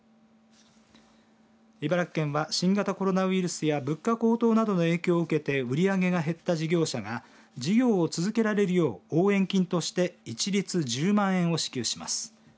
茨城県は新型コロナウイルスや物価高騰などの影響を受けて売り上げが減った事業者が事業を続けられるように応援金として一律１０万円を支給します。